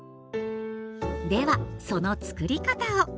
ではそのつくり方を。